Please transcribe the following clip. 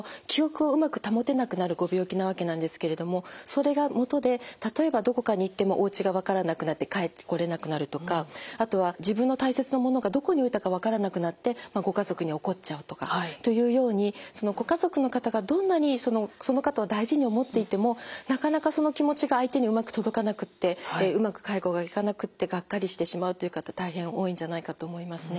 それがもとで例えばどこかに行ってもおうちが分からなくなって帰ってこれなくなるとかあとは自分の大切なものがどこに置いたか分からなくなってご家族に怒っちゃうとかというようにご家族の方がどんなにその方を大事に思っていてもなかなかその気持ちが相手にうまく届かなくってうまく介護がいかなくってがっかりしてしまうという方大変多いんじゃないかと思いますね。